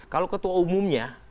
kalau ketua umumnya